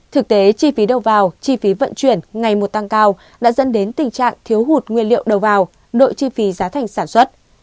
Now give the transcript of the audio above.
thực tế chi phí đầu vào chi phí vận chuyển ngày một tăng cao đã dẫn đến tình trạng thiếu hụt nguyên liệu đầu vào đội chi phí giá thành sản xuất